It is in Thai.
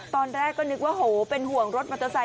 ตอนแรกก็นึกว่าโหเป็นห่วงรถมอเตอร์ไซค